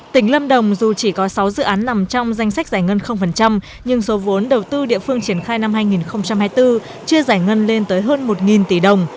tỉnh lâm đồng dù chỉ có sáu dự án nằm trong danh sách giải ngân nhưng số vốn đầu tư địa phương triển khai năm hai nghìn hai mươi bốn chưa giải ngân lên tới hơn một tỷ đồng